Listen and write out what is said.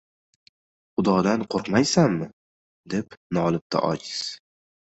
Xudodan qo‘rqmaysanmi? — deb nolibdi ojiz.